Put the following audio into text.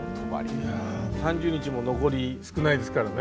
３０日も残り少ないですからね。